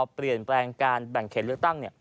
เปลี่ยนแปลงการแบ่งเขตเลือกตั้ง